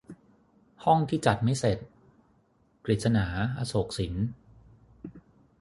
ห้องที่จัดไม่เสร็จ - กฤษณา อโศกสิน